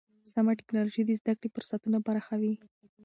سمه ټکنالوژي د زده کړې فرصتونه پراخوي.